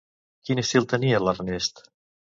Quin estil tenia l'Ernest?